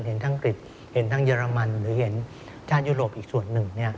ทั้งอังกฤษเห็นทั้งเยอรมันหรือเห็นชาติยุโรปอีกส่วนหนึ่ง